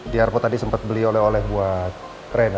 di harpo tadi sempet beli oleh oleh buat rena